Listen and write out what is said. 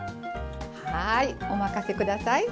はい、お任せください。